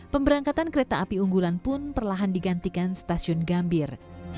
pemberangkatan kereta api unggulan pun perlahan digantikan stasiun gambir